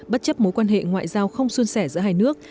bất chấp mối quan hệ ngoại giao không xuân sẻ giữa hai nước